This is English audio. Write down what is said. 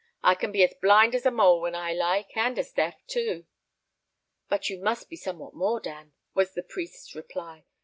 I can be as blind as a mole when I like, and as deaf too." "But you must be somewhat more, Dan," was the priest's reply.